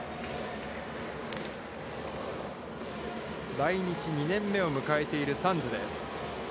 来日２年目を迎えているサンズです。